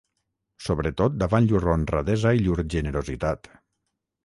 Sobretot davant llur honradesa i llur generositat.